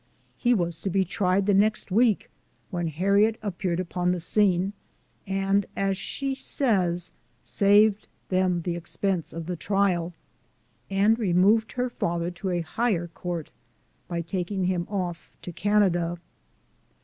He was to be tried the next week, when Harriet appeared upon the scene, and, as she says, "saved dem de expense ob de trial, and removed her father to a higher court, bv taking O */ O him off to Canada.